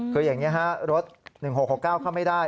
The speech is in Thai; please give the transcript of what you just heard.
คืออย่างนี้ฮะรถ๑๖๖๙เข้าไม่ได้